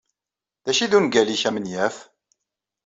D acu ay d ungal-nnek amenyaf?